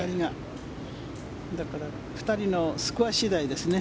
だから２人のスコア次第ですね。